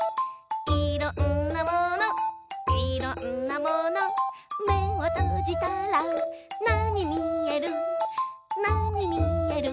「いろんなものいろんなもの」「めをとじたらなにみえる？